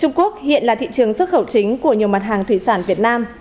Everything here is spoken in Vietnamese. trung quốc hiện là thị trường xuất khẩu chính của nhiều mặt hàng thủy sản việt nam